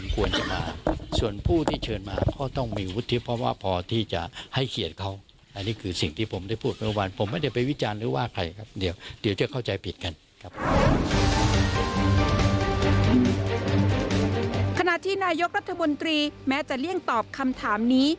ขณะที่นายกรัฐมนตรีแม้จะเลี่ยงตอบคำถามนี้